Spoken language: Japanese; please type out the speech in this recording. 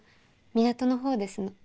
港の方ですの。